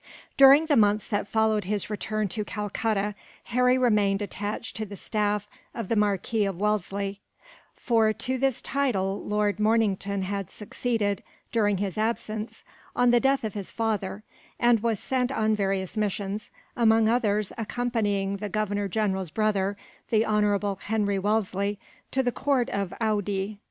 During the months that followed his return to Calcutta, Harry remained attached to the staff of the Marquis of Wellesley for to this title Lord Mornington had succeeded, during his absence, on the death of his father and was sent on various missions; among others accompanying the Governor General's brother, the Honorable Henry Wellesley, to the court of Oude.